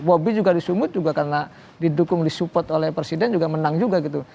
bobby juga di sumut juga karena didukung di support oleh presiden juga menang juga gitu